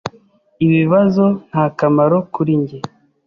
Ibi bibazo nta kamaro kuri njye.